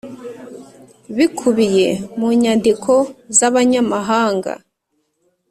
bikubiye mu nyandiko z’abanyamahanga